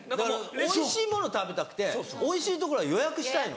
おいしいもの食べたくておいしい所は予約したいので。